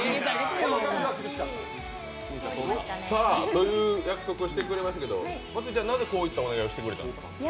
という約束をしてくれましたけど、まつりちゃん、なぜこういったお願いをしてくれたんですか？